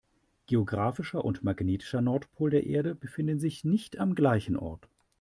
Geographischer und magnetischer Nordpol der Erde befinden sich nicht am gleichen Ort.